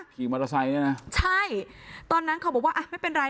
ขี่มอเตอร์ไซค์เนี่ยนะใช่ตอนนั้นเขาบอกว่าอ่ะไม่เป็นไร